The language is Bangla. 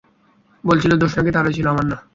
বলছিল, দোষ নাকি তারই ছিল, আমার না।